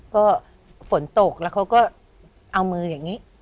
ก็ฝนตกแล้วเขาก็เอามืออย่างนี้